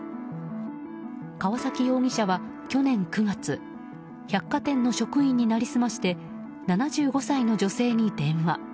川崎容疑者は去年９月百貨店の職員になりすまして７５歳の女性に電話。